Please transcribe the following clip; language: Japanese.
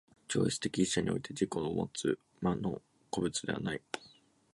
超越的一者において自己をもつ真の個物ではない。